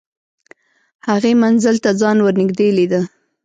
هغې منزل ته ځان ور نږدې لیده